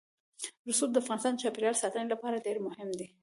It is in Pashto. رسوب د افغانستان د چاپیریال ساتنې لپاره ډېر مهم دي.